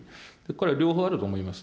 これは両方あると思います。